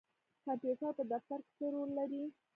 کمپیوټر په دفتر کې څه رول لري؟